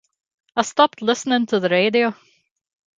I stopped listening to the radio.